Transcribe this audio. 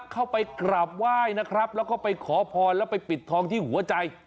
เข้าไปกราบไหว้นะครับแล้วก็ไปขอพรแล้วไปปิดทองที่หัวใจ